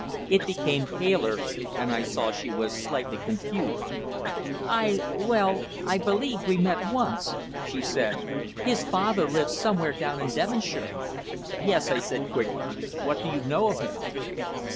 It became paler, and I saw she was slightly confused. "I well, I believe we met once," she said. "His father lives somewhere down in Devonshire." "Yes," I said quickly. "What do you know of him?"